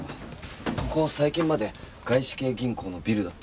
ここ最近まで外資系銀行のビルだったんです。